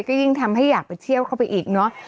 ก็ยิ่งทำให้อยากไปเที่ยวเข้าไปอีกเนอะ